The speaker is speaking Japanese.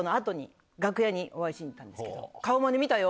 お会いしに行ったんですけど。